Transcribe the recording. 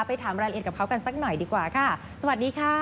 ถามรายละเอียดกับเขากันสักหน่อยดีกว่าค่ะสวัสดีค่ะ